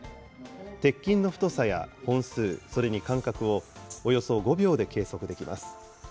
鉄筋の太さや本数、それに間隔をおよそ５秒で計測できます。